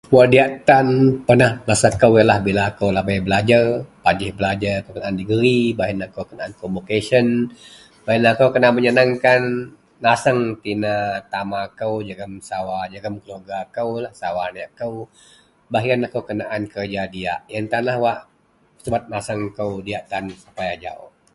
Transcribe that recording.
wak diak tan pernah rasa kou ienlah, bila akou lahabei belajer, pajih belajer, kenaan degree baih ien akou kenaan konvokasiean, baih ienlah akou kena meyenangkan nasang tina tama kou jegum sawa jegum keluarga kou, sawak aneak kou, baih ien akou kenaan kerja diak, ien tan wak subet nasang kou diak tan sapai ajau